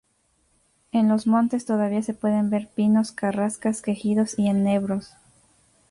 En los montes todavía se pueden ver pinos, carrascas, quejigos y enebros.